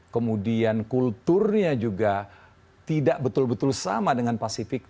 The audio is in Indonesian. kemudian kulturnya juga tidak betul betul sama dengan pasifik